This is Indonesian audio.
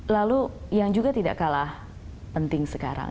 lalu yang juga tidak kalah penting sekarang